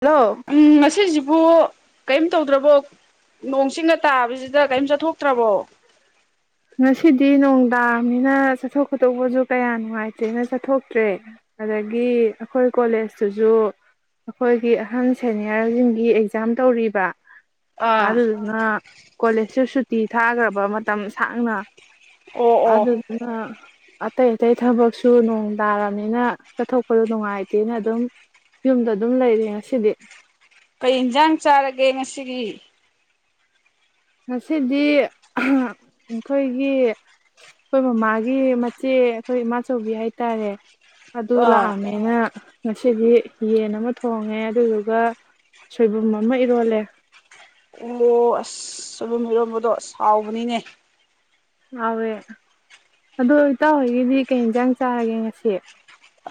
hello ꯎꯝ ꯃꯁꯤꯁ ꯕꯨ ꯀꯔꯤꯝ ꯇꯧꯗ꯭ꯔꯕꯣ ꯅꯣꯡ ꯆꯤꯡꯅ ꯇꯥꯕꯁꯤꯗ ꯀꯔꯤꯝ ꯆꯠꯊꯣꯛꯇ꯭ꯔꯕꯣ ꯉꯁꯤꯗꯤ ꯅꯨꯡꯗꯥꯡꯅꯤꯅ ꯆꯠꯊꯣꯛ ꯈꯣꯇꯣꯛꯄꯁꯨ ꯀꯌꯥ ꯅꯨꯡꯉꯥꯏꯇ꯭ꯔꯦꯅ ꯆꯠꯊꯣꯛꯇ꯭ꯔꯦ ꯑꯗꯒꯤ ꯑꯩꯈꯣꯏ ꯀꯣꯂꯦꯖꯇꯨꯁꯨ ꯑꯩꯈꯣꯏꯒꯤ ꯑꯍꯟ ꯁꯦꯅꯤꯌꯔꯁꯤꯡꯒꯤ ꯑꯦꯛꯖꯥꯝ ꯇꯧꯔꯤꯕ ꯑꯥ ꯑꯗꯨ ꯉ ꯀꯣꯂꯦꯖꯁꯨ ꯁꯨꯇꯤ ꯊꯥꯈ꯭ꯔꯕ ꯃꯇꯝ ꯊꯥꯡꯅ ꯑꯣ ꯑꯣ ꯑꯗꯨ ꯑꯗꯨꯅ ꯑꯇꯩ ꯑꯇꯩ ꯊꯕꯛꯁꯨ ꯅꯣꯡ ꯇꯥꯔꯕꯅꯤꯅ ꯆꯠꯊꯣꯛꯄꯗ ꯅꯨꯡꯉꯥꯏꯇꯦꯅ ꯑꯗꯨꯝ ꯌꯨꯝꯗ ꯑꯗꯨꯝ ꯂꯩꯔ ꯉꯁꯤꯗꯤ ꯀꯩ ꯏꯟꯁꯥꯡ ꯆꯥꯔꯒꯦ ꯉꯁꯤꯒꯤ ꯉꯁꯤꯗꯤ ꯑꯩꯈꯣꯏꯒꯤ ꯑꯩꯈꯣꯏ ꯃꯃꯥꯒꯤ ꯃꯆꯦ ꯑꯩꯈꯣꯏ ꯏꯃꯥꯆꯧꯕꯤ ꯍꯥꯏꯇꯥꯔꯦ ꯑꯗꯨ ꯑꯥ ꯂꯥꯛꯑꯝꯃꯦꯅ ꯉꯁꯤꯗꯤ ꯌꯦꯟ ꯑꯃ ꯊꯣꯡꯉꯦ ꯑꯗꯨꯗꯨꯒ ꯁꯣꯏꯕꯨꯝ ꯑꯃ ꯏꯔꯣꯜꯂꯦ ꯑꯣ ꯑꯁ ꯆꯂꯨꯝ ꯏꯔꯣꯟꯝꯕꯗꯣ ꯁꯥꯎꯕꯅꯤꯅꯦ ꯌꯥꯥꯎꯋꯦ ꯑꯗꯨ ꯇꯥꯎ ꯍꯣꯏꯒꯤꯗꯤ ꯀꯩ ꯌꯦꯟꯁꯥꯡ ꯆꯥꯔꯒꯦ ꯉꯁꯤ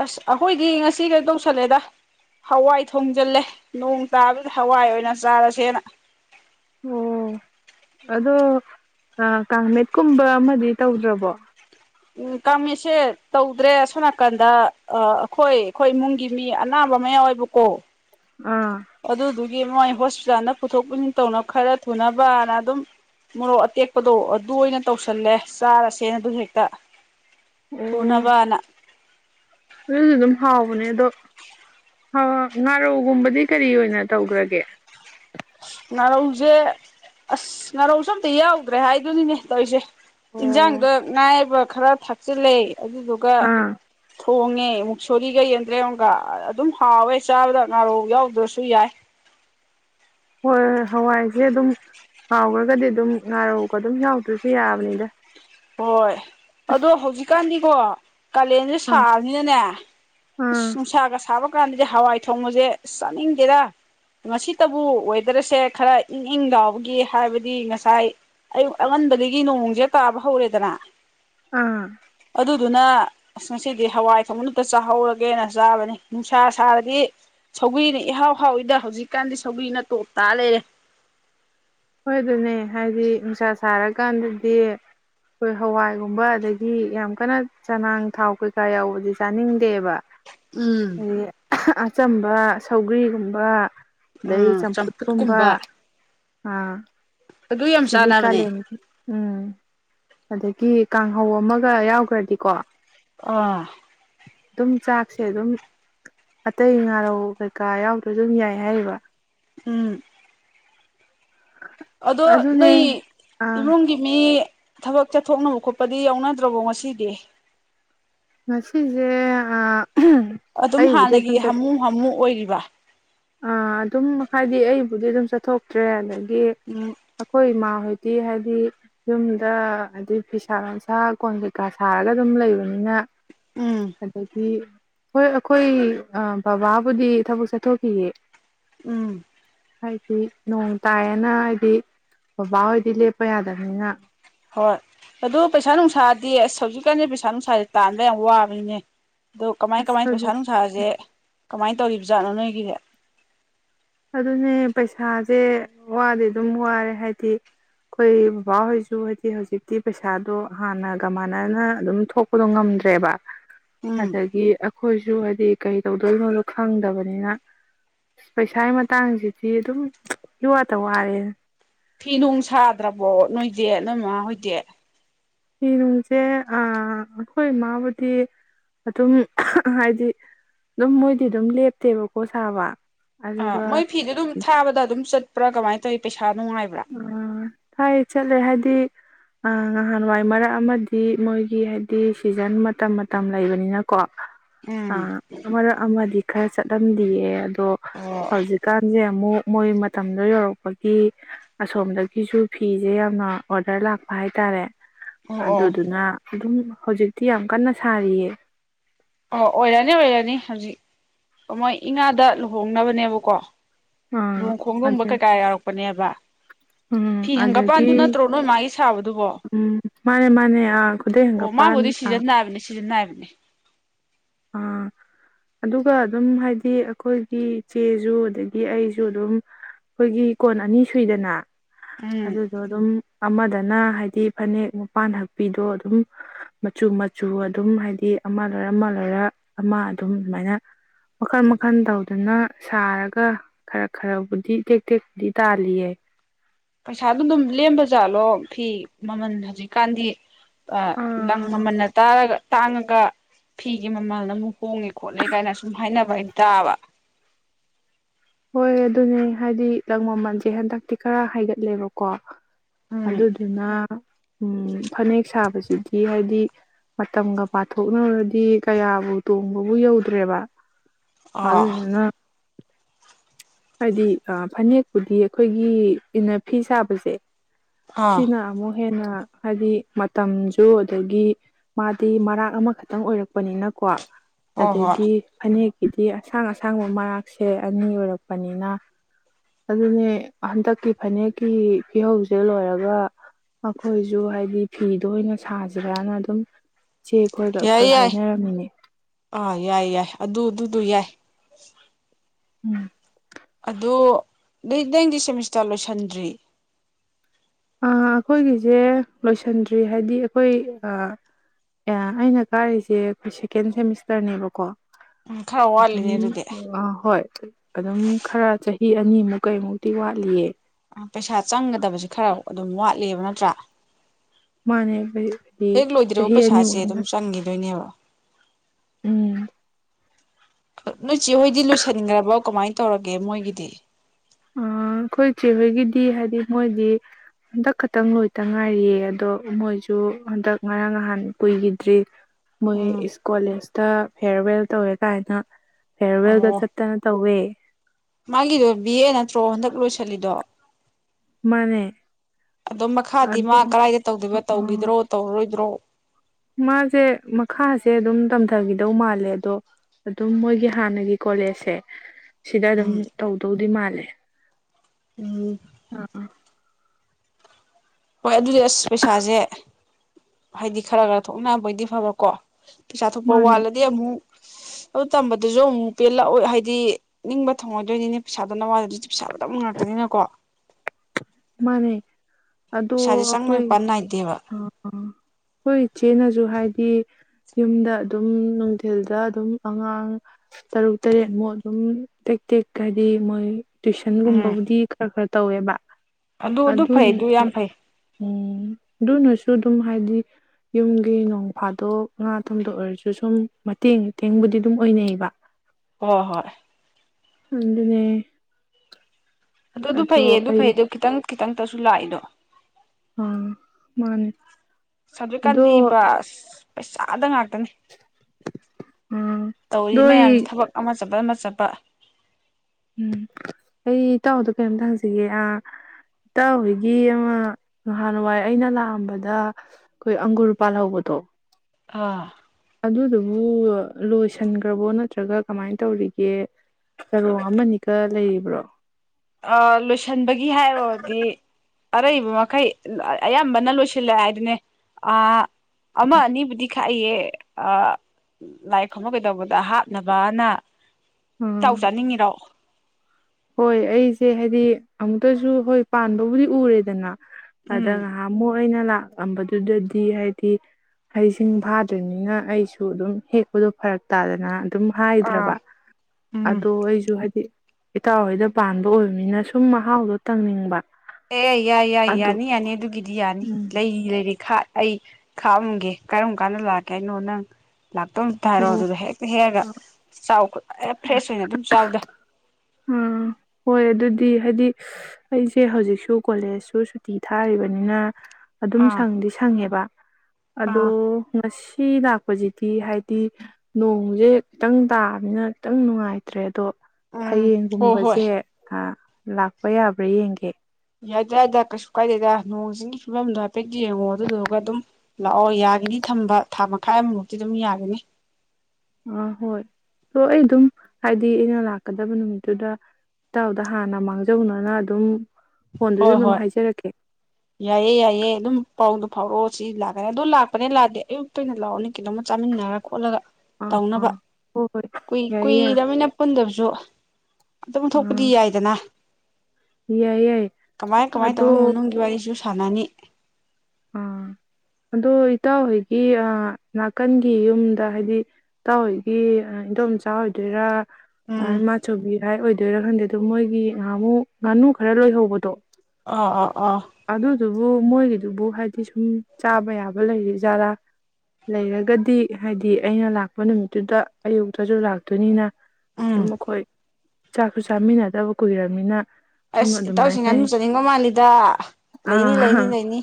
ꯑꯁ ꯑꯩꯈꯣꯏꯗꯤ ꯉꯁꯤ ꯀꯩꯅꯣ ꯇꯧꯁꯜꯂꯦꯗ ꯍꯋꯥꯏ ꯊꯣꯡꯖꯤꯜꯂꯦ ꯅꯣꯡ ꯆꯥꯕꯗ ꯍꯋꯥꯏ ꯑꯣꯏꯅ ꯆꯥꯔꯁꯦꯅ ꯑꯣ ꯑꯗꯣ ꯀꯥꯡꯃꯦꯠꯀꯨꯝꯕ ꯑꯃꯗꯤ ꯇꯧꯗ꯭ꯔꯕꯣ ꯎꯝ ꯀꯥꯡꯁꯦ ꯇꯧꯗ꯭ꯔꯦ ꯑꯁꯣꯝ ꯅꯥꯀꯟꯗ ꯑꯩꯈꯣꯏ ꯑꯩꯈꯣꯏ ꯏꯃꯨꯡꯒꯤ ꯃꯤ ꯑꯅꯥꯕ ꯃ ꯌꯥꯎꯑꯦꯕꯀꯣ ꯑꯥ ꯑꯗꯒꯤ ꯃꯣꯏ ꯍꯣꯁꯄꯤꯇꯥꯜꯗ ꯄꯨꯊꯣꯛ ꯄꯨꯁꯤꯟ ꯇꯧꯅ ꯈꯔ ꯊꯨꯅꯕꯅ ꯑꯗꯨꯝ ꯃꯣꯔꯣꯛ ꯑꯇꯦꯛꯄꯗꯣ ꯑꯗꯨ ꯑꯣꯏꯅ ꯇꯧꯁꯜꯂꯦ ꯆꯥꯔꯁꯦꯅ ꯑꯗꯨ ꯍꯦꯛꯇ ꯑꯣ ꯊꯅꯕꯥꯅ ꯑꯗꯨꯁꯨ ꯑꯗꯨꯝ ꯍꯥꯎꯕꯅꯦ ꯑꯗꯣ ꯉꯥꯔꯧꯒꯨꯝꯕꯗꯤ ꯀꯔꯤ ꯑꯣꯏꯅ ꯇꯧꯈ꯭ꯔꯒꯦ ꯉꯥꯔꯧꯁꯦ ꯑꯁ ꯉꯥꯔꯧꯁꯨ ꯑꯝꯇ ꯌꯥꯎꯗ꯭ꯔꯦ ꯍꯥꯏꯗꯨꯣꯏꯅꯤꯅꯦ ꯇꯧꯔꯤꯁꯦ ꯑꯣ ꯏꯟꯖꯥꯡꯗ ꯉꯅꯥꯕ ꯈꯔ ꯊꯥꯛꯆꯤꯜꯂꯦ ꯑꯗꯨꯗꯨꯒ ꯑꯥ ꯍꯣꯏ ꯊꯣꯡꯉꯦ ꯑꯃꯨꯛꯁꯣꯔꯤꯒ ꯌꯦꯟꯗ꯭ꯔꯩ ꯑꯃꯨꯒ ꯑꯗꯨꯝ ꯍꯥꯎꯋꯦ ꯆꯥꯕꯗ ꯉꯥꯔꯧ ꯌꯥꯎꯗ꯭ꯔꯁꯨ ꯌꯥꯏ ꯍꯣꯏ ꯍꯣꯏ ꯍꯋꯥꯏꯁꯦ ꯑꯗꯨꯝ ꯍꯥꯎꯈ꯭ꯔꯒꯗꯤ ꯑꯗꯨꯝ ꯉꯥꯔꯧꯒ ꯑꯗꯨꯝ ꯌꯥꯎꯗ꯭ꯔꯁꯨ ꯌꯥꯕꯅꯤꯗ ꯍꯣꯏ ꯑꯗꯣ ꯍꯧꯖꯤꯛꯀꯥꯟ ꯀ ꯀꯥꯂꯦꯟꯁꯨꯦ ꯑꯥ ꯁꯥꯔꯅꯤꯅꯅꯦ ꯑꯥ ꯅꯨꯡꯁꯥꯒ ꯁꯥꯕ ꯀꯥꯟꯗꯗꯤ ꯍꯋꯥꯏ ꯊꯣꯡꯕꯁꯦ ꯆꯥꯅꯤꯡꯗꯦꯔ ꯉꯁꯤꯇꯕꯨ ꯋꯦꯗꯔꯁꯦ ꯈꯔ ꯏꯪ ꯏꯪ ꯂꯎꯕꯒꯤ ꯍꯥꯏꯕꯗꯤ ꯉꯁꯥꯏ ꯑꯌꯨꯛ ꯑꯉꯟꯕꯗꯒꯤ ꯅꯣꯡꯁꯦ ꯇꯥꯕ ꯍꯧꯔꯦꯗꯅ ꯑꯥ ꯑꯗꯨꯗꯨꯅ ꯑꯁ ꯉꯁꯤꯗꯤ ꯍꯋꯥꯏ ꯊꯣꯡꯕꯅꯇ ꯆꯥꯍꯧꯔꯒꯦꯅ ꯆꯥꯕꯅꯤ ꯅꯨꯡꯁꯥ ꯁꯥꯔꯗꯤ ꯁꯧꯒ꯭ꯔꯤꯅ ꯏꯍꯥꯎ ꯍꯥꯎꯋꯤꯗ ꯍꯧꯖꯤꯛꯀꯥꯟꯗꯤ ꯁꯧꯒ꯭ꯔꯤꯅ ꯇꯣꯞ ꯇꯥ ꯂꯩꯔꯦ ꯍꯣꯏ ꯑꯗꯨꯅꯦ ꯍꯥꯏꯗꯤ ꯅꯨꯡꯁꯥ ꯁꯥꯔꯀꯥꯟꯗꯗꯤ ꯑꯩꯈꯣꯏ ꯍꯋꯥꯏꯒꯨꯝꯕ ꯑꯗꯒꯤ ꯌꯥꯝ ꯀꯟꯅ ꯆꯅꯥꯥꯡ ꯊꯥꯎ ꯀꯩꯀꯥ ꯌꯥꯎꯕꯗꯤ ꯆꯥꯅꯤꯡꯗꯦꯕ ꯎꯝ ꯆꯝꯕ ꯁꯧꯒ꯭ꯔꯤꯒꯨꯝꯕ ꯑꯗꯩ ꯆꯝꯐꯨꯠꯀꯨꯝꯕ ꯑꯥ ꯑꯗꯨ ꯌꯥꯝ ꯁꯤꯖꯤ ꯆꯥꯟꯅꯕꯅꯦ ꯀꯂꯦꯅꯤ ꯎꯝ ꯑꯗꯒꯤ ꯀꯥꯡꯍꯧ ꯑꯃꯒ ꯌꯥꯎꯈ꯭ꯔꯗꯤꯀꯣ ꯑ ꯑꯗꯨꯝ ꯆꯥꯛꯁꯦ ꯑꯗꯨꯝ ꯑꯇꯩ ꯉꯥꯔꯧ ꯀꯩꯀꯥ ꯌꯥꯎꯗ꯭ꯔꯁꯨ ꯑꯗꯨꯝ ꯌꯥꯏ ꯍꯥꯏꯔꯤꯕ ꯎꯝ ꯑꯗꯣ ꯑꯗꯨꯅꯦ ꯅꯣꯏ ꯑꯥ ꯏꯃꯨꯡꯒꯤ ꯃꯤ ꯊꯕꯛ ꯆꯠꯊꯣꯛꯅꯕ ꯈꯣꯠꯄꯗꯤ ꯌꯥꯎꯅꯗ꯭ꯔꯕꯣ ꯉꯁꯤꯗꯤ ꯃꯁꯤꯁꯤꯁꯦ ꯑ ꯑꯗꯨꯝ ꯍꯥꯟꯅꯒꯤ ꯍꯥꯃꯨ ꯍꯥꯃꯨ ꯑꯣꯏꯔꯤꯕ ꯑꯥ ꯑꯗꯨꯝ ꯍꯥꯏꯗꯤ ꯑꯩꯕꯨꯗꯤ ꯑꯗꯨꯝ ꯆꯠꯊꯣꯛꯇ꯭ꯔꯦ ꯑꯗꯨ ꯎꯝ ꯑꯩꯈꯣꯏ ꯏꯃꯥ ꯍꯣꯏ ꯄꯤ ꯍꯥꯏꯗꯤ ꯌꯨꯝꯗ ꯍꯥꯏꯗꯤ ꯐꯤꯁꯥ ꯂꯣꯟꯁꯥ ꯀꯣꯟ ꯀꯩꯀꯥ ꯁꯥꯔꯒ ꯑꯗꯨꯝ ꯂꯩꯕꯅꯤꯅ ꯎꯝ ꯑꯗꯗꯒꯤ ꯍꯣꯏ ꯑꯩꯈꯣꯏ ꯕꯕꯥꯕꯨꯗꯤ ꯊꯕꯛ ꯆꯠꯊꯣꯛ ꯍꯌꯦ ꯎꯝ ꯍꯥꯏꯗꯤ ꯅꯣꯡ ꯇꯥꯏꯌꯦꯅ ꯍꯥꯏꯗꯤ ꯕꯕꯥꯍꯣꯏꯗꯤ ꯂꯦꯞꯄ ꯌꯥꯗꯕꯅꯤꯅ ꯍꯣꯏ ꯑꯗꯨ ꯄꯩꯁꯥ ꯅꯨꯡꯁꯥꯗꯤ ꯑꯁ ꯍꯧꯖꯤꯛꯀꯥꯟꯗꯤ ꯄꯩꯁꯥ ꯅꯨꯡꯁꯥꯥꯁ ꯇꯥꯟꯕ ꯌꯥꯝ ꯋꯥꯕꯅꯤꯅꯦ ꯑꯗꯣ ꯀꯃꯥꯏ ꯑꯁ ꯀꯃꯥꯏ ꯄꯩꯁꯥ ꯍꯧꯖꯤꯛ ꯅꯨꯡꯁꯥꯁꯦ ꯀꯃꯥꯏꯅ ꯇꯧꯔꯤꯕ ꯖꯥꯠꯅꯣ ꯅꯣꯏꯒꯤ ꯑꯗꯨꯅꯦ ꯄꯩꯁꯥꯁꯦ ꯋꯥꯗꯤ ꯑꯗꯨꯝ ꯋꯥꯔꯦ ꯍꯥꯏꯗꯤ ꯑꯩꯈꯣꯏ ꯕꯕꯥꯍꯣꯏꯁꯨ ꯍꯥꯏꯗꯤ ꯍꯧꯖꯤꯛꯇꯤ ꯄꯩꯁꯥꯗꯣ ꯍꯥꯟꯅꯒ ꯃꯥꯟꯅꯅ ꯑꯗꯨꯝ ꯊꯣꯛꯄꯗꯣ ꯉꯝꯗ꯭ꯔꯦꯕ ꯎꯝ ꯑꯗꯒꯤ ꯑꯩꯈꯣꯏꯁꯨ ꯍꯥꯏꯗꯤ ꯀꯩ ꯇꯧꯗꯣꯏꯅꯣꯗꯣ ꯈꯪꯗꯕꯅꯤꯅ ꯏꯁꯥꯒꯤ ꯃꯇꯥꯡꯁꯤꯗꯤ ꯑꯗꯨꯝ ꯏꯋꯥꯠꯇ ꯋꯥꯔꯦ ꯗꯨꯅꯤ ꯐꯤ ꯅꯨꯡ ꯁꯥꯗ꯭ꯔꯕꯣ ꯅꯣꯏꯗꯤ ꯅꯪꯃ ꯍꯣꯏꯗꯤ ꯐꯤ ꯅꯨꯡꯁꯦ ꯑꯩꯈꯣꯏ ꯏꯃꯥꯕꯨꯗꯤ ꯑꯗꯨꯝ ꯍꯥꯏꯗꯤ ꯑꯗꯨꯝ ꯃꯣꯏꯗꯤ ꯑꯗꯨꯝ ꯂꯦꯞꯇꯦꯕꯀꯣ ꯁꯥꯕ ꯑꯥ ꯑꯗꯨꯒ ꯃꯣꯏ ꯐꯤꯗꯨ ꯑꯗꯨꯝ ꯊꯥꯕꯗ ꯑꯗꯨꯝ ꯆꯠ ꯄ꯭ꯔꯒꯃꯥꯏ ꯇꯣꯏ ꯑꯣ ꯐꯩ ꯆꯠꯂꯦ ꯍꯥꯏꯗꯤ ꯑ ꯅꯍꯥꯟꯋꯥꯏ ꯃꯔꯛ ꯑꯃꯗꯤ ꯃꯣꯏꯒꯤ ꯍꯥꯏꯗꯤ ꯁꯤꯖꯟ ꯃꯇꯝ ꯃꯇꯝ ꯂꯩꯕꯅꯤꯅꯀꯣ ꯑ ꯎꯝ ꯑꯃꯔꯥꯛ ꯑꯃꯗꯤ ꯈꯔ ꯆꯠꯂꯝꯗꯌꯦ ꯑꯗꯣ ꯑꯣ ꯍꯧꯖꯤꯛꯀꯥꯟꯁꯦ ꯑꯃꯨꯛ ꯃꯣꯏ ꯃꯇꯝꯗꯣ ꯌꯧꯔꯛꯄꯒꯤ ꯑꯁꯣꯝꯗꯒꯤꯁꯨ ꯐꯤꯁꯦ ꯌꯥꯝꯅ ꯑꯣꯔꯗꯔ ꯂꯥꯛꯄ ꯍꯥꯏꯇꯥꯔꯦ ꯑꯣ ꯑꯣ ꯑꯗꯨꯗꯨꯅ ꯑꯗꯨꯝ ꯍꯧꯖꯤꯛꯇꯤ ꯌꯥꯝ ꯀꯟꯅ ꯁꯥꯔꯤꯌꯦ ꯑꯣ ꯑꯣꯏꯔꯅꯤ ꯑꯣꯏꯔꯅꯤ ꯍꯧꯖꯤꯛ ꯃꯣꯏ ꯏꯉꯥꯗ ꯂꯨꯍꯣꯡꯅꯕꯅꯦꯕꯀꯣ ꯂꯨ ꯑꯥ ꯈꯣꯡꯒꯨꯝꯕ ꯑꯗꯨ ꯀꯩꯀꯥ ꯌꯥꯎꯔꯛꯄꯅꯦꯕ ꯎꯝ ꯐꯤ ꯍꯪꯒꯄꯥꯟꯗꯨ ꯅꯠꯇ꯭ꯔꯣ ꯑꯗꯒꯤ ꯅꯣꯏ ꯃꯥꯒꯤ ꯁꯥꯕꯗ ꯎꯝ ꯃꯥꯅꯦ ꯃꯥꯅꯦ ꯑ ꯈꯨꯗ ꯍꯪꯒꯄꯥꯟ ꯑꯥ ꯅꯦ ꯑꯥ ꯑꯗꯨꯒ ꯑꯗꯨꯝ ꯍꯥꯏꯗꯤ ꯑꯩꯈꯣꯏꯒꯤ ꯏꯆꯦꯁꯨ ꯑꯗꯒꯤ ꯑꯩꯁꯨ ꯑꯗꯨꯝ ꯑꯩꯈꯣꯏꯒꯤ ꯀꯣꯟ ꯑꯅꯤ ꯁꯨꯏꯗꯅ ꯎꯝ ꯑꯗꯨꯗꯣ ꯑꯗꯨꯝ ꯑꯃꯗꯅ ꯍꯥꯏꯗꯤ ꯐꯅꯦꯛ ꯃꯄꯥꯟ ꯍꯛꯄꯤꯗꯣ ꯑꯗꯨꯝ ꯃꯆꯨ ꯃꯆꯨ ꯑꯗꯨꯝ ꯍꯥꯏꯗꯤ ꯑꯃ ꯂꯣꯏꯔ ꯑꯃ ꯈꯔ ꯑꯃ ꯑꯗꯨꯝ ꯑꯗꯨꯃꯥꯏꯅ ꯃꯈꯜ ꯃꯈꯜ ꯇꯧꯗꯨꯅ ꯁꯥꯔꯒ ꯈꯔ ꯈꯔꯕꯨꯗꯤ ꯇꯦꯛ ꯇꯦꯛꯄꯨꯗꯤ ꯇꯥꯜꯂꯤꯌꯦ ꯄꯩꯁꯥꯗꯣ ꯑꯗꯨꯝ ꯂꯦꯝꯕꯖꯥꯠꯂꯣ ꯐꯤ ꯃꯃꯜ ꯍꯧꯖꯤꯛꯀꯥꯟꯗꯤ ꯂꯪ ꯑꯥ ꯃꯃꯜꯟꯅ ꯇꯥꯔꯒ ꯇꯥꯡꯉꯒ ꯐꯤꯒꯤ ꯃꯃꯜꯅ ꯑꯃꯨꯛ ꯍꯣꯡꯉꯦ ꯈꯣꯠꯂꯦ ꯀꯥꯏꯅ ꯁꯨꯝ ꯍꯥꯏꯅꯕ ꯍꯥꯏꯩꯅ ꯇꯥꯕ ꯍꯣꯏ ꯑꯗꯨꯅꯦ ꯍꯥꯏꯗꯤ ꯂꯪ ꯃꯃꯜꯁꯦ ꯍꯟꯗꯛꯇꯤ ꯈꯔ ꯍꯥꯏꯒꯠꯂꯦꯕꯀꯣ ꯎꯝ ꯑꯗꯨꯗꯨꯅ ꯎꯝ ꯐꯅꯦꯛ ꯁꯥꯕꯁꯤꯗꯤ ꯍꯥꯏꯗꯤ ꯃꯇꯝꯒ ꯄꯥꯊꯣꯛꯅꯔꯗꯤ ꯀꯌꯥꯕꯨ ꯇꯣꯡꯕꯕꯨ ꯌꯧꯗ꯭ꯔꯦꯕ ꯑꯥ ꯑꯗꯨꯗꯨꯅ ꯍꯥꯏꯗꯤ ꯐꯅꯦꯛꯄꯨꯗꯤ ꯑꯩꯈꯣꯏꯒꯤ ꯏꯅ ꯐꯤ ꯁꯥꯕꯁꯦ ꯑꯥ ꯁꯤꯅ ꯑꯃꯨꯛ ꯍꯦꯟꯅ ꯍꯥꯏꯗꯤ ꯃꯇꯝꯁꯨ ꯑꯗꯒꯤ ꯃꯥꯗꯤ ꯃꯔꯥꯛ ꯑꯃꯈꯛꯇꯪ ꯑꯣꯏꯔꯛꯄꯅꯤꯅꯀꯣ ꯍꯣꯏ ꯍꯣꯏ ꯑꯗꯒꯤ ꯐꯅꯦꯛ ꯍꯥꯏꯗꯤ ꯑꯁꯥꯡ ꯑꯁꯥꯡꯕ ꯃꯔꯛꯁꯦ ꯑꯅꯤ ꯑꯣꯏꯔꯛꯄ ꯄꯅꯤꯅ ꯑꯗꯨꯅꯦ ꯍꯟꯗꯛꯀꯤ ꯐꯅꯦꯛꯀꯤ ꯐꯤꯍꯧꯁꯦ ꯂꯣꯏꯔꯒ ꯑꯈꯣꯏꯁꯨ ꯍꯥꯏꯗꯤ ꯐꯤꯗꯣ ꯑꯣꯏꯅ ꯁꯥꯁꯤꯔꯅ ꯑꯗꯨꯝ ꯏꯆꯦ ꯑꯩꯈꯣꯏꯒ ꯌꯥꯏ ꯑꯩꯈꯣꯏ ꯌꯥꯏ ꯍꯥꯏꯅꯔꯝꯃꯤꯅꯦ ꯑꯥ ꯌꯥꯏ ꯌꯥꯏ ꯑꯗꯨ ꯑꯗꯨꯗꯨ ꯌꯥꯏ ꯎꯝ ꯑꯗꯨ ꯅꯣꯏ ꯅꯪꯗꯤ ꯁꯦꯃꯤꯁꯇꯔ ꯂꯣꯏꯁꯟꯗ꯭ꯔꯤ ꯑꯩꯈꯣꯏꯒꯤꯁꯦ ꯂꯣꯏꯁꯤꯟꯗ꯭ꯔꯤ ꯍꯥꯏꯗꯤ ꯑꯩꯈꯣꯏ ꯑꯩꯅ ꯀꯥꯔꯤꯁꯦ ꯑꯩꯈꯣꯏ ꯁꯦꯀꯦꯟ ꯁꯦꯃꯤꯁꯇꯔꯅꯦꯕꯀꯣ ꯎꯝ ꯈꯔ ꯋꯥꯠꯂꯤꯅꯦ ꯑꯗꯨꯝ ꯑꯗꯨꯗꯤ ꯑ ꯍꯣꯏ ꯑꯗꯨꯝ ꯈꯔ ꯆꯍꯤ ꯐꯤ ꯑꯅꯤꯃꯨꯛ ꯀꯩꯃꯨꯛꯇꯤ ꯋꯥꯠꯂꯤꯌꯦ ꯄꯩꯁꯥ ꯆꯪꯒꯗꯕꯁꯦ ꯈꯔ ꯑꯗꯨꯝ ꯋꯥꯠꯂꯤꯕ ꯅꯠꯇ꯭ꯔꯥ ꯃꯥꯅꯦ ꯍꯥꯏꯗꯤ ꯍꯦꯛ ꯂꯣꯏꯗ꯭ꯔꯤꯕ ꯆꯍꯤ ꯄꯩꯁꯥꯁꯦ ꯑꯗꯨꯝ ꯑꯅꯤꯃꯨꯛ ꯆꯪꯈꯤꯗꯣꯏꯅꯦꯕ ꯎꯝ ꯅꯣꯏ ꯆꯦ ꯍꯣꯏꯗꯤ ꯂꯣꯏꯁꯤꯟꯈ꯭ꯔꯕꯣ ꯀꯃꯥꯏꯅ ꯇꯧꯔꯒꯦ ꯃꯣꯏꯒꯤꯗꯤ ꯑꯩꯈꯣꯏ ꯏꯆꯦꯍꯣꯏꯒꯤꯗꯤ ꯍꯥꯏꯗꯤ ꯃꯣꯏꯗꯤ ꯍꯟꯗꯛ ꯈꯛꯇꯪ ꯂꯣꯏꯇ ꯉꯥꯏꯔꯤꯌꯦ ꯑꯗꯣ ꯃꯣꯏꯁꯨ ꯍꯟꯗꯛ ꯉꯔꯥꯡ ꯅꯍꯥꯟ ꯀꯨꯏꯈꯤꯗ꯭ꯔꯤ ꯃꯣꯏ ꯎꯝ ꯀꯣꯂꯦꯁꯀꯤ ꯇ ꯐꯤꯔꯋꯦꯜ ꯇꯧꯋꯦ ꯀꯥꯏꯅ ꯐꯤꯔꯋꯦꯜꯒ ꯆꯠꯇꯅ ꯇꯧꯋꯦ ꯃꯥꯒꯤꯣ ꯕꯤ ꯅꯦ ꯅꯠꯇ꯭ꯔꯣ ꯍꯟꯗꯛ ꯂꯣꯏꯁꯤꯜꯂꯤꯗꯣ ꯃꯥꯅꯦ ꯑꯣ ꯃꯈꯥꯗꯤ ꯃꯥ ꯑꯗꯣ ꯀꯗꯥꯏꯗ ꯇꯧꯗꯣꯏꯕ ꯇꯧꯈꯤꯗ꯭ꯔꯣ ꯇꯧꯔꯔꯣꯏꯗ꯭ꯔꯣ ꯃꯥꯁꯦ ꯃꯈꯥꯁꯦ ꯑꯗꯨꯝ ꯇꯝꯊꯈꯤꯗꯧ ꯃꯥꯜꯂꯦ ꯑꯗꯣ ꯑꯗꯨꯝ ꯃꯣꯏꯒꯤ ꯍꯥꯟꯅꯒꯤ ꯀꯣꯂꯦꯖꯁꯦ ꯁꯤꯗ ꯑꯗꯨꯝ ꯎꯝ ꯇꯧꯗꯧꯗꯤ ꯃꯥꯜꯂꯦ ꯎꯝ ꯑꯥ ꯍꯣꯏ ꯑꯗꯨꯗꯤ ꯑꯁ ꯄꯩꯁꯥꯁꯦ ꯍꯥꯏꯗꯤ ꯈꯔ ꯈꯔ ꯊꯣꯛꯅꯅꯕꯩꯗꯤ ꯐꯕ꯭ꯔꯥꯀꯣ ꯄꯩꯁꯥ ꯊꯣꯛꯄ ꯃꯥꯅꯦ ꯋꯥꯠꯂꯗꯤ ꯑꯃꯨꯛ ꯑꯗꯨ ꯇꯝꯕꯗꯨꯁꯨ ꯑꯃꯨꯛ ꯄꯦꯜꯂꯛꯑꯣꯏ ꯍꯥꯏꯗꯤ ꯅꯤꯡꯕ ꯊꯪꯉꯣꯏꯗꯣꯏꯅꯤꯅꯦ ꯄꯩꯁꯥꯗ ꯅꯋꯥꯗ ꯄꯩꯁꯥꯕꯨꯗ ꯉꯥꯛꯇꯅꯤꯅꯀꯣ ꯃꯅꯤ ꯑꯗꯣ ꯄꯩꯁꯥꯁꯦ ꯆꯪꯕ ꯑꯩꯈꯣꯏ ꯃꯄꯥꯟ ꯅꯥꯏꯗꯦꯕ ꯑ ꯑꯩꯈꯣꯏ ꯏꯆꯦꯅꯁꯨ ꯍꯥꯏꯗꯤ ꯌꯨꯝꯗ ꯑꯗꯨꯝ ꯅꯨꯡꯊꯤꯜꯗ ꯑꯗꯨꯝ ꯑꯉꯥꯡ ꯇꯔꯨꯛ ꯇꯔꯦꯠꯃꯨꯛ ꯑꯗꯨꯝ ꯇꯦꯛ ꯇꯦꯛꯀꯗꯤ ꯃꯣꯏ ꯎꯝ ꯇ꯭ꯋꯏꯁꯟꯒꯨꯝꯕꯕꯨꯗꯤ ꯈꯔ ꯈꯔ ꯇꯧꯋꯦꯕ ꯑꯗꯨ ꯑꯗꯨ ꯐꯩ ꯑꯗꯨꯅ ꯑꯗꯨ ꯌꯥꯝ ꯐꯩ ꯎꯝ ꯑꯗꯨꯅꯁꯨ ꯑꯗꯨꯝ ꯍꯥꯏꯗꯤ ꯌꯨꯝꯒꯤ ꯅꯣꯡ ꯐꯥꯗꯣꯛ ꯉꯥ ꯊꯝꯗ ꯑꯣꯏꯔꯁꯨ ꯁꯨꯝ ꯃꯇꯦꯡ ꯃꯇꯦꯡꯕꯨꯗꯤ ꯑꯗꯨꯝ ꯑꯣꯏꯅꯩꯌꯦꯕ ꯍ ꯍꯣꯏ ꯑꯗꯨꯗꯨꯅꯦ ꯑꯗꯨ ꯑꯗꯨ ꯐꯩꯌꯦ ꯑꯗꯨ ꯐꯩꯗꯣ ꯈꯤꯇꯪ ꯈꯤꯇꯪꯇꯁꯨ ꯂꯥꯛꯏꯗꯣ ꯑꯥ ꯃꯥꯅꯦ ꯑꯗꯣ ꯁꯗꯨꯀꯥꯟꯗꯤꯤꯕꯥꯁ ꯄꯩꯁꯥꯗ ꯉꯥꯛꯇꯅꯤ ꯎꯝ ꯇꯧꯔꯤ ꯃꯌꯥꯝꯁꯦ ꯅꯣꯏ ꯊꯕꯛ ꯑꯃ ꯆꯠꯄ ꯆꯄ ꯎꯝ ꯑꯩ ꯏꯇꯥꯎꯗꯣ ꯀꯩꯝꯇ ꯍꯪꯖꯒꯦ ꯑ ꯏꯇꯥꯎꯣꯏꯒꯤ ꯑꯃꯍꯥꯟꯋꯥꯏ ꯑꯩꯅ ꯂꯥꯛꯑꯝꯕꯗ ꯑꯩꯈꯣꯏ ꯑꯪꯒꯨꯔ ꯄꯥꯜꯍꯧꯕꯗꯣ ꯑꯥ ꯑꯗꯨꯗꯨꯕꯨ ꯂꯣꯏꯁꯤꯟꯈ꯭ꯔꯕꯣ ꯅꯠꯇ꯭ꯔꯒ ꯀꯃꯥꯏꯅ ꯇꯧꯔꯤꯒꯦ ꯆꯔꯣꯡ ꯑꯃꯅꯤꯒ ꯂꯩꯔꯤꯕ꯭ꯔꯣ ꯑ ꯂꯣꯏꯁꯤꯟꯕꯒꯤ ꯍꯥꯏꯔꯨꯔꯗꯤ ꯑꯔꯩꯕ ꯃꯈꯩ ꯑꯌꯥꯝꯕꯅ ꯂꯣꯏꯁꯤꯜꯂꯑꯦ ꯍꯥꯏꯗꯨꯅꯦ ꯑ ꯑꯃꯅꯤꯕꯨꯗꯤ ꯈꯥꯏꯌꯦ ꯑ ꯂꯥꯏ ꯈꯨꯨꯝꯝꯕ ꯀꯩꯗꯧꯕꯗ ꯍꯥꯞꯅꯕꯅ ꯎꯝ ꯏꯇꯥꯎ ꯆꯥꯅꯤꯡꯉꯤꯔꯣ ꯍꯣꯏ ꯑꯩꯁꯦ ꯍꯥꯏꯗꯤ ꯑꯃꯨꯛꯇꯁꯨ ꯍꯣꯏ ꯄꯥꯟꯕꯕꯨꯗꯤ ꯎꯔꯦꯗꯅ ꯎꯝ ꯑꯗꯪꯃ ꯣꯏꯅ ꯂꯥꯛꯑꯝꯕꯗꯨꯗꯗꯤ ꯍꯥꯏꯗꯤ ꯍꯩꯁꯤꯡ ꯐꯥꯗ꯭ꯔꯕꯅꯤꯅ ꯑꯩꯁꯨ ꯑꯗꯨꯝ ꯍꯦꯛꯄꯗꯣ ꯐꯔꯛ ꯇꯥꯗꯅ ꯑꯗꯨꯝ ꯑꯥ ꯍꯥꯏꯗ꯭ꯔꯕ ꯎꯝ ꯑꯗꯣ ꯑꯩꯁꯨ ꯍꯥꯏꯗꯤ ꯏꯇꯥꯎ ꯍꯣꯏꯗ ꯄꯥꯟꯕ ꯑꯣꯏꯕꯅꯤꯅ ꯁꯨꯝ ꯃꯍꯥꯎꯗꯣ ꯇꯪꯅꯤꯡꯕ ꯑꯦ ꯑꯦ ꯌꯥꯏ ꯌꯥꯏ ꯑꯗꯨ ꯌꯥꯅꯤ ꯌꯥꯅꯤ ꯑꯗꯨꯒꯤꯗꯤ ꯌꯥꯅꯤ ꯂꯩꯔꯤ ꯂꯩꯔꯤ ꯑꯩ ꯈꯥꯛꯑꯝꯒꯦ ꯀꯔꯝ ꯀꯥꯟꯗ ꯂꯥꯛꯀꯦ ꯍꯥꯏꯅꯣ ꯅꯪ ꯂꯥꯛꯇꯧ ꯑꯝꯇ ꯍꯥꯏꯔꯣ ꯑꯣ ꯑꯗꯨꯗ ꯍꯦꯛꯇ ꯍꯦꯛꯑꯒ ꯆꯥꯎ ꯍ ꯐ꯭ꯔꯦꯁ ꯑꯣꯏꯅ ꯑꯗꯨꯝ ꯆꯥꯎꯗ ꯑꯥ ꯍꯣꯏ ꯑꯗꯨꯗꯤ ꯍꯥꯏꯗꯤ ꯑꯩꯁꯦ ꯍꯧꯖꯤꯛꯁꯨ ꯀꯣꯂꯦꯖꯁꯨ ꯁꯨꯇꯤ ꯊꯥꯔꯤꯕꯅꯤꯅ ꯑꯗꯨꯝ ꯑꯥ ꯁꯪꯗꯤ ꯁꯪꯉꯦꯕ ꯑꯗꯣ ꯑꯥ ꯅ ꯁꯤ ꯂꯥꯛꯄꯁꯤꯗꯤ ꯍꯥꯏꯗꯤ ꯗꯤ ꯅꯣꯡꯖꯦ ꯇꯪ ꯇꯥꯕꯅꯤꯅ ꯈꯤꯇꯪ ꯅꯨꯡꯉꯥꯏꯇ꯭ꯔꯦ ꯑꯗꯣ ꯎꯝ ꯍꯣꯏ ꯍꯣꯏ ꯍꯌꯦꯡꯒꯨꯝꯕꯁꯦ ꯑ ꯂꯥꯛꯄ ꯌꯥꯕ꯭ꯔꯥ ꯌꯦꯡꯒꯦ ꯌꯥꯏꯗ ꯌꯥꯏꯗ ꯀꯩꯁꯨ ꯀꯥꯏꯗꯦꯗ ꯅꯣꯡ ꯆꯤꯡꯒꯤ ꯐꯤꯕꯝꯗꯣ ꯍꯥꯏꯐꯦꯠ ꯌꯦꯡꯉꯣ ꯑꯗꯨꯗꯨꯒ ꯑꯗꯨꯝ ꯂꯥꯛꯑꯣ ꯌꯥꯒꯅꯤ ꯊꯝꯕ ꯊꯥ ꯃꯈꯥꯏ ꯑꯃꯃꯨꯛꯇꯤ ꯑꯗꯨꯝ ꯌꯥꯒꯅꯤ ꯑ ꯍꯣꯏ ꯍꯣ ꯑꯩ ꯑꯗꯨꯝ ꯍꯥꯏꯗꯤ ꯑꯩꯅ ꯂꯥꯛꯀꯗꯕ ꯅꯨꯃꯤꯠꯇꯨꯗ ꯏꯇꯥꯎꯗ ꯍꯥꯟꯅ ꯃꯥꯡꯖꯧꯅꯅ ꯑꯗꯨꯝ ꯐꯣꯟꯗꯨꯁꯨ ꯍꯣꯏ ꯑꯗꯨꯝ ꯍꯣꯏ ꯍꯥꯏꯖꯔꯛꯀꯦ ꯌꯥꯏꯌꯦ ꯌꯥꯏꯌꯦ ꯑꯗꯨꯝ ꯄꯥꯎꯗꯣ ꯐꯥꯎꯔꯛꯑꯣ ꯁꯤ ꯂꯥꯛꯀꯅꯤ ꯑꯗꯣ ꯂꯥꯛꯄꯅꯦ ꯂꯥꯛꯑꯗꯤ ꯑꯌꯨꯛꯇ ꯑꯣꯏꯅ ꯂꯥꯛꯑꯣꯅꯦ ꯀꯩꯅꯣꯝꯃ ꯆꯥꯃꯤꯟꯅꯔꯒ ꯈꯣꯠꯂꯒ ꯑꯥ ꯇꯧꯅꯕ ꯑꯥ ꯍꯣꯏ ꯍꯣꯏ ꯀꯨꯏ ꯌꯥꯏꯌꯦ ꯌꯥꯏ ꯀꯨꯏꯔꯕꯅꯤꯅ ꯄꯨꯟꯗꯕꯁꯨ ꯑꯗꯨꯝ ꯊꯣꯛꯄꯗꯤ ꯌꯥꯏꯗꯅ ꯌꯥ ꯀꯃꯥꯏ ꯀꯃꯥꯏ ꯇꯧ ꯏꯃꯨꯡ ꯃꯅꯨꯡꯒꯤ ꯋꯥꯔꯤꯁꯨ ꯁꯥꯅꯅꯤ ꯑꯥ ꯑꯗꯣ ꯏꯇꯥꯎ ꯍꯣꯏꯒꯤ ꯑ ꯅꯥꯀꯟꯒꯤ ꯌꯨꯝꯗ ꯍꯥꯏꯗꯤ ꯏꯇꯥꯎꯍꯣꯏꯒꯤ ꯏꯗꯣꯝꯆꯥ ꯑꯣꯏꯗꯣꯏꯔꯥ ꯎꯝ ꯃꯥꯆꯧꯕꯤ ꯗꯥꯏ ꯑꯣꯏ ꯑꯣꯏꯗꯣꯏꯔꯥ ꯈꯪꯗꯦ ꯑꯗꯣ ꯃꯣꯏꯒꯤ ꯉꯍꯥꯟꯃꯨꯛ ꯉꯥꯅꯨ ꯈꯔ ꯂꯣꯏꯍꯧꯕꯗꯣ ꯑꯥ ꯑꯥ ꯑꯥ ꯕꯨ ꯃꯣꯏꯒꯤꯗꯨꯕꯨ ꯑꯗꯨꯕꯨ ꯍꯥꯏꯗꯤ ꯁꯨꯝ ꯆꯥꯕ ꯌꯥꯕ ꯂꯩꯔꯤ ꯖꯥꯠꯂꯥ ꯂꯩꯔꯒꯗꯤ ꯍꯥꯏꯗꯤ ꯑꯩꯅ ꯂꯥꯛꯄ ꯅꯨꯃꯤꯠꯇꯨꯗ ꯑꯌꯨꯛꯇꯁꯨ ꯂꯥꯛꯇꯣꯏꯅꯤꯅ ꯎꯝ ꯗꯨꯝ ꯑꯈꯣꯏ ꯆꯥꯛꯁꯨ ꯆꯥꯃꯤꯟꯅꯗꯕ ꯀꯨꯏꯔꯕꯅꯤꯅ ꯁꯨꯝ ꯑꯁ ꯏꯇꯥꯎꯁꯤ ꯑꯗꯨꯃꯥꯏꯅ ꯉꯥꯅꯨ ꯆꯥꯅꯤꯡꯕ ꯃꯥꯜꯂꯤꯗ ꯂꯩꯅꯤ ꯂꯩꯅꯤ ꯑꯥ ꯂꯩꯅꯤ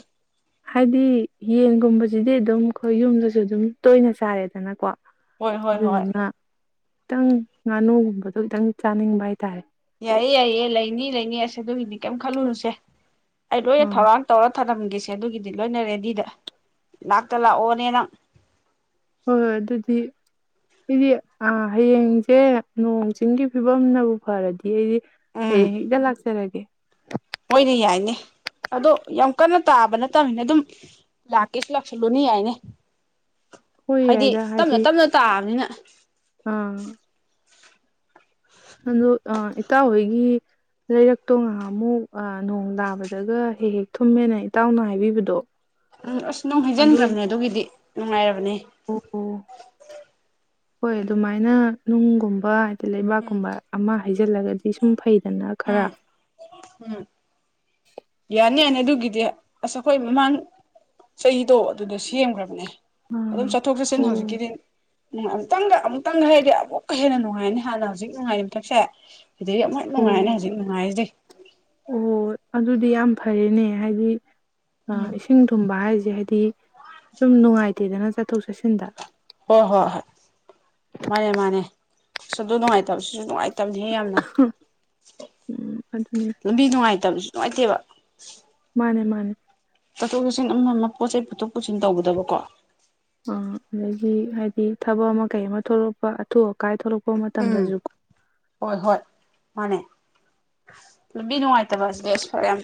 ꯍꯥꯏꯗꯤ ꯌꯦꯟꯒꯨꯝꯕꯁꯤꯗꯤ ꯑꯗꯨꯝ ꯑꯩꯈꯣꯏ ꯌꯨꯝꯗꯁꯨ ꯑꯗꯨꯝ ꯇꯣꯏꯅ ꯆꯥꯏꯔꯦꯗꯅꯀꯣ ꯍꯣꯏ ꯍꯣꯏ ꯍꯣꯏ ꯈꯤꯇꯪ ꯉꯥꯅꯨꯒꯨꯝꯕꯗꯣ ꯈꯤꯇꯪ ꯆꯥꯅꯤꯡꯕ ꯍꯥꯏꯇꯥꯔꯦ ꯌꯥꯏꯌꯦ ꯌꯥꯏꯌꯦ ꯂꯩꯅꯤ ꯂꯩꯅꯤ ꯑꯁꯦ ꯑꯗꯨꯒꯤꯗꯤ ꯀꯩꯝ ꯈꯜꯂꯨꯅꯨꯁꯦ ꯑꯩ ꯂꯣꯏꯅ ꯑꯥ ꯊꯧꯔꯥꯡ ꯇꯧꯔ ꯊꯅꯝꯒꯦꯁꯦ ꯁꯦ ꯑꯗꯨꯒꯤꯗꯤ ꯂꯣꯏꯅ ꯔꯦꯗꯤꯗ ꯂꯥꯛꯇ ꯂꯥꯛꯑꯣꯅꯦ ꯅꯪ ꯍꯣꯏ ꯍꯣꯏ ꯑꯗꯨꯗꯤ ꯑꯩꯗꯤ ꯑ ꯍꯌꯦꯡꯁꯦ ꯅꯣꯡ ꯆꯤꯡꯒꯤ ꯐꯤꯕꯝꯅꯕꯨ ꯐꯔꯗꯤ ꯗꯤ ꯑꯩꯗꯤ ꯎꯝ ꯍꯌꯦꯡ ꯍꯦꯛꯇ ꯂꯥꯛꯆꯔꯒꯦ ꯍꯣꯏꯅꯦ ꯌꯥꯏꯅꯦ ꯑꯗꯣ ꯌꯥꯝ ꯀꯟꯅ ꯇꯥꯕ ꯅꯠꯇꯕꯅꯤꯅ ꯑꯗꯨꯝ ꯂꯥꯛꯀꯦꯁꯨ ꯂꯥꯛꯁꯜꯂꯨꯅꯤ ꯌꯥꯏꯅꯤ ꯍꯣꯏ ꯍꯥꯏꯗꯤ ꯌꯥꯏꯗ ꯇꯞꯅ ꯍꯥꯏꯗꯤ ꯇꯞꯅ ꯇꯥꯕꯅꯤꯅ ꯑꯥ ꯑꯗꯨ ꯑꯥ ꯏꯇꯥꯎ ꯍꯣꯏꯒꯤ ꯂꯩꯔꯛꯇꯣ ꯉꯍꯥꯟꯃꯨꯛ ꯑ ꯅꯣꯡ ꯇꯥꯕꯗꯒ ꯍꯦꯛ ꯍꯦꯛ ꯊꯨꯝꯃꯦꯅ ꯏꯇꯥꯎꯅ ꯍꯥꯏꯕꯤꯕꯗꯣ ꯎꯝ ꯑꯁ ꯅꯨꯡ ꯑꯗꯨ ꯍꯩꯖꯤꯟꯒ꯭ꯔꯝꯅꯦ ꯑꯗꯨꯒꯤꯗꯤ ꯅꯨꯡꯉꯥꯏꯔ ꯕꯅꯦ ꯑꯣ ꯍꯣꯏ ꯑꯗꯨꯃꯥꯏꯅ ꯅꯨꯡꯒꯨꯝꯕ ꯂꯩꯕꯥꯛ ꯎꯝ ꯀꯨꯝꯕ ꯑꯃ ꯍꯥꯏꯖꯤꯜꯂꯒꯗꯤ ꯁꯨꯝ ꯐꯩ ꯎꯝ ꯎꯝ ꯌꯥꯅꯤ ꯑꯗꯨꯒꯤꯗꯤ ꯑꯁ ꯑꯩꯈꯣꯏ ꯃꯃꯥꯡ ꯆꯍꯤꯗꯣ ꯑꯗꯨꯗꯣ ꯁꯦꯝꯈ꯭ꯔꯕꯅꯦ ꯑꯗꯨꯝ ꯑꯥ ꯆꯠꯊꯣꯛ ꯆꯠꯁꯤꯟ ꯑꯣ ꯍꯧꯖꯤꯛꯀꯤꯗꯤ ꯅꯨꯡꯥꯏ ꯑꯃꯨꯛꯇꯪꯒ ꯑꯃꯨꯛꯇꯪꯒ ꯍꯥꯏꯔꯗꯤ ꯑꯃꯨꯛꯀ ꯍꯦꯟꯅ ꯅꯨꯡꯉꯥꯏꯅꯤ ꯍꯥꯟꯅ ꯍꯧꯖꯤꯛ ꯅꯨꯡꯉꯥꯏꯔꯤ ꯃꯊꯛꯁꯦ ꯑꯗꯩ ꯑꯣ ꯅꯨꯡꯉꯥꯏꯅꯦ ꯍꯧꯖꯤꯛ ꯅꯨꯡꯉꯥꯏꯁꯦ ꯑꯣ ꯑꯗꯨꯗꯤ ꯌꯥꯝ ꯐꯔꯦꯅꯦ ꯍꯥꯏꯗꯤ ꯑ ꯎꯝ ꯏꯁꯤꯡ ꯊꯨꯝꯕ ꯍꯥꯏꯁꯦ ꯍꯥꯏꯗꯤ ꯁꯨꯝ ꯅꯨꯡꯉꯥꯏꯇꯦꯗꯅ ꯆꯠꯊꯣꯛ ꯆꯠꯁꯤꯟꯗ ꯍꯣꯏ ꯍꯣꯏ ꯍꯣꯏ ꯃꯥꯅꯦ ꯃꯥꯅꯦ ꯑ ꯑꯗꯨ ꯅꯨꯡꯉꯥꯏꯇꯕ ꯁꯤꯁꯨ ꯅꯨꯡꯉꯥꯏꯇꯕ ꯍꯦ ꯌꯥꯝꯅ ꯎꯝ ꯑꯗꯨꯅꯦ ꯂꯝꯕꯤ ꯅꯨꯡꯉꯥꯏꯇꯕꯁꯨ ꯅꯨꯡꯉꯥꯏꯇꯦꯕ ꯃꯥꯅꯦ ꯃꯥꯅꯦ ꯆꯠꯊꯣꯛ ꯆꯠꯁꯤꯟ ꯑꯃ ꯑꯃ ꯄꯣꯠꯆ ꯆꯩ ꯄꯨꯊꯣꯛ ꯄꯨꯁꯤꯟ ꯇꯧꯒꯗꯕꯀꯣ ꯑ ꯑꯗꯒꯤ ꯍꯥꯏꯗꯤ ꯊꯕꯛ ꯑꯃ ꯀꯩ ꯑꯃ ꯊꯣꯛꯂꯛꯄ ꯑꯊꯨ ꯑꯀꯥꯏ ꯊꯣꯛꯂꯛꯄ ꯎꯝ ꯃꯇꯝꯗꯁꯨ ꯍꯣꯏ ꯍꯣꯏ ꯃꯅꯦ ꯅꯨꯉꯥꯏꯇꯕꯁꯦꯁ ꯐꯔꯛ ꯌꯝ ꯇꯕꯅꯦ